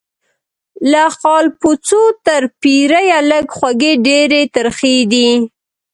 له خالپوڅو تر پیریه لږ خوږې ډیري ترخې دي